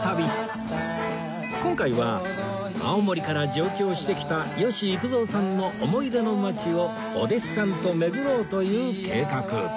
今回は青森から上京してきた吉幾三さんの思い出の街をお弟子さんと巡ろうという計画